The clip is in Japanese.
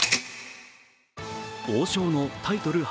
王将のタイトル初